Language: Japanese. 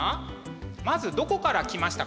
まずどこから来ましたか？